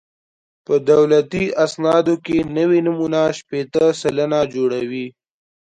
په دولتي اسنادو کې نوي نومونه شپېته سلنه جوړوي